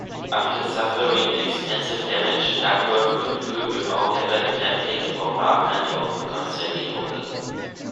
After suffering extensive damage, Duckworth withdrew without ever attempting a bombardment of Constantinople.